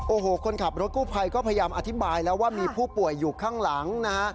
โอ้โหคนขับรถกู้ภัยก็พยายามอธิบายแล้วว่ามีผู้ป่วยอยู่ข้างหลังนะฮะ